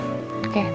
sampai ketemu nanti